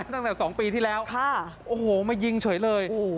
ตั้งแต่๒ปีที่แล้วโอ้โหมายิงเฉยเลย